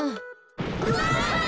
うわ！